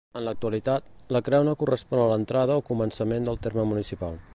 En l'actualitat, la Creu no correspon a l'entrada o començament del terme municipal.